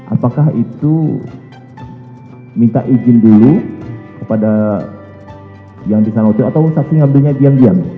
apakah itu minta izin dulu kepada yang di sana oce atau saksi ngambilnya diam diam